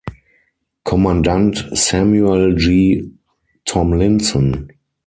Kommandant Samuel G. Tomlinson.